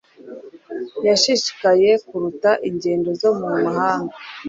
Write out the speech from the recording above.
Yashishikaye kuruta ingendo zo mu mahanga